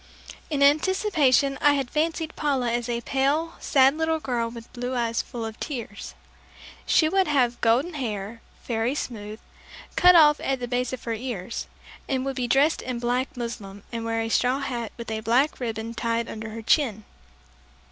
In anticipation I had fancied Paula as a pale, sad little girl with blue eyes full of tears. She would have golden hair, very smooth, cut off at the base of her ears, and would be dressed in black muslin, and wear a straw hat with a black ribbon tied under her chin.